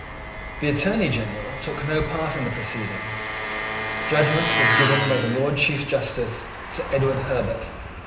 The Attorney General took no part in the proceedings. Judgment was given by the Lord Chief Justice, Sir Edward Herbert.